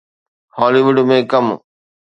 هالي wood ۾ ڪم